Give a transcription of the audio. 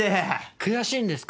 悔しいんですか？